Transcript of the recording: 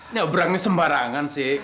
nabrak nih sembarangan sih